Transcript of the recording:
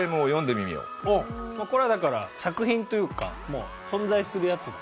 これはだから作品というか存在するやつで。